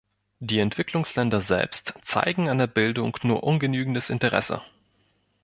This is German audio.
Die Entwicklungsländer selbst zeigen an der Bildung nur ungenügendes Interesse.